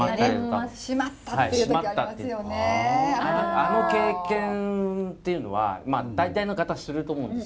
あの経験っていうのは大体の方すると思うんです。